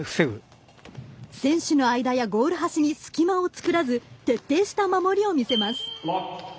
選手の間やゴール端に隙間を作らず徹底した守りを見せます。